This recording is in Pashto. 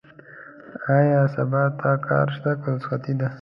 ايا سبا ته کار شته؟ که رخصتي ده؟